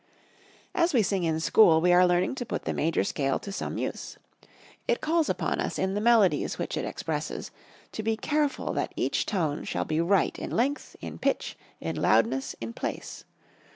As we sing in school, we are learning to put the major scale to some use. It calls upon us in the melodies which it expresses, to be careful that each tone shall be right in length, in pitch, in loudness, in place.